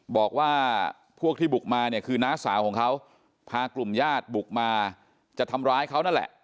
บอกว่าพวกที่บุกมาเนี่ยคือน้าสาวของเขาพากลุ่มญาติบุกมาจะทำร้ายเขานั่นแหละ